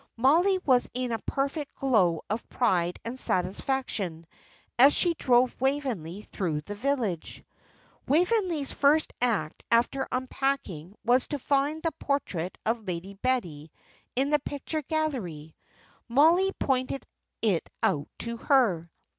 Mollie was in a perfect glow of pride and satisfaction as she drove Waveney through the village. Waveney's first act after unpacking was to find the portrait of Lady Betty in the picture gallery. Mollie pointed it out to her.